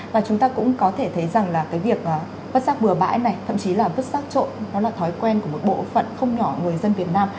và chúng ta cũng có thể thấy rằng việc vất sắc bừa bãi này thậm chí là vất sắc trộn đó là thói quen của một bộ phận không nhỏ người dân việt nam